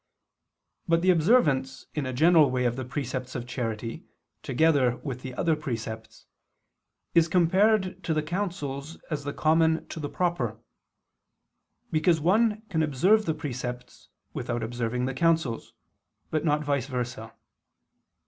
But the observance in a general way of the precepts of charity together with the other precepts, is compared to the counsels as the common to the proper, because one can observe the precepts without observing the counsels, but not vice versa.